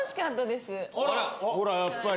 ほらやっぱり。